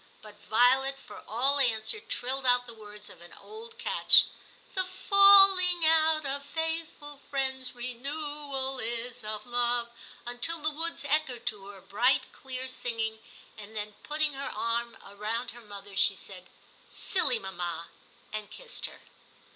But Violet for all answer trilled out the words of an old catch — The falling out of faithful friends, renewal is of love, until the woods echoed to her bright clear singing ; and then, putting her arm round her mother, she said, * Silly mamma,' and kissed her.